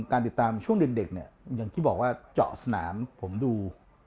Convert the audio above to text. การติดตามช่วงเด็กเนี่ยอย่างที่บอกว่าเจาะสนามผมดู